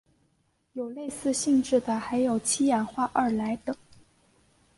有此类似性质的还有七氧化二铼等。